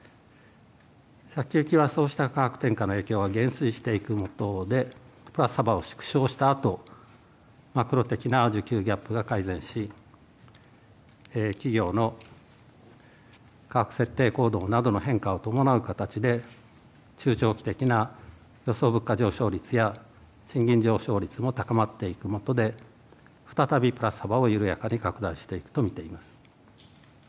先行きはそうした価格転嫁の影響を減衰していく等でプラス幅を縮小したあと、マクロ的な需給ギャップが改善し、企業の価格設定行動などの変化を伴う形で、中長期的な予想物価上昇率や賃金上昇率も高まっていくもとで、再びプラス幅を緩やかに拡大していくと見ています。